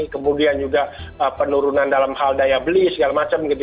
kemudian juga penurunan dalam hal daya beli segala macam gitu